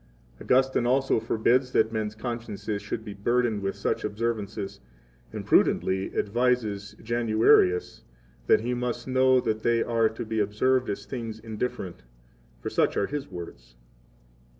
Augustine also forbids that men's consciences should be burdened 17 with such observances, and prudently advises Januarius that he must know that they are to be observed as things indifferent; for such are his words.